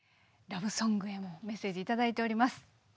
ラブソングへもメッセージ頂いております。